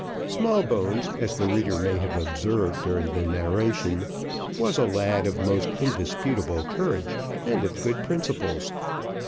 Smallbones, as the reader may have observed during the narration, was a lad of most indisputable courage and of good principles.